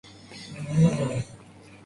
La canción mantiene un culto.